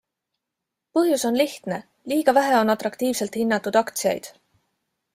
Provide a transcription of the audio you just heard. Põhjus on lihtne - liiga vähe on atraktiivselt hinnatud aktsiaid.